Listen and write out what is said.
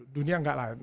dunia enggak lah